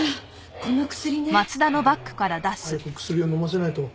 この薬ね。早く薬を飲ませないと。